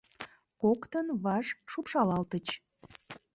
Коктын ваш шупшалалтыч.